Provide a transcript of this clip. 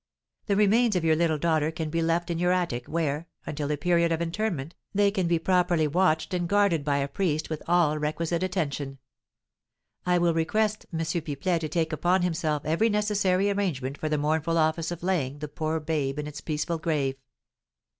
The remains of your little daughter can then be left in your attic, where, until the period of interment, they can be properly watched and guarded by a priest with all requisite attention. I will request M. Pipelet to take upon himself every necessary arrangement for the mournful office of laying the poor babe in its peaceful grave."